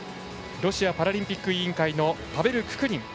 ロシアパラリンピック委員会のパベル・ククリン。